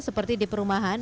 seperti di perumahan